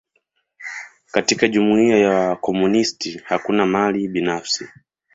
Katika jumuia ya wakomunisti, hakuna mali binafsi.